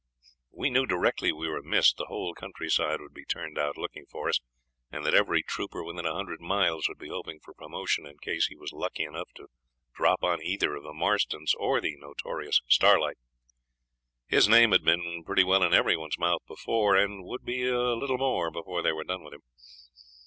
We knew directly we were missed the whole countryside would be turned out looking for us, and that every trooper within a hundred miles would be hoping for promotion in case he was lucky enough to drop on either of the Marstons or the notorious Starlight. His name had been pretty well in every one's mouth before, and would be a little more before they were done with him.